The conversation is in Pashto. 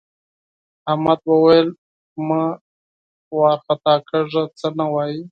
احمد وویل مه وارخطا کېږه څه نه وايي.